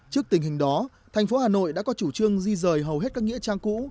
trước tình hình đó thành phố hà nội đã có chủ trương di rời hầu hết các nghĩa trang cũ